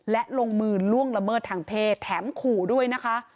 และลงมือล่วงละเมิดทางเพศแถมขู่ด้วยนะคะ